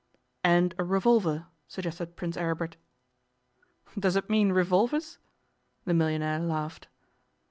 'And a revolver?' suggested Prince Aribert. 'Does it mean revolvers?' The millionaire laughed.